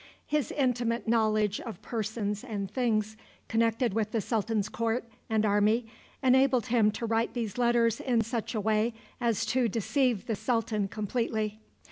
His intimate knowledge of persons and things connected with the sultan's court and army enabled him to write these letters in such a way as to deceive the sultan completely.